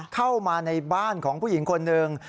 เข้ามาในบ้านของผู้หญิงคนหนึ่ง